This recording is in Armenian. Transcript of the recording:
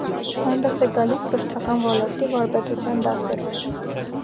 Հանդես է գալիս կրթական ոլորտի վարպետության դասերով։